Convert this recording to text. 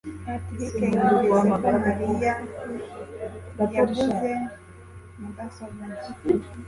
patrick yumvise ko mariya yaguze mudasobwa nshya